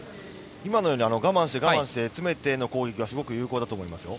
今のように我慢して詰めての攻撃はすごく有効だと思います。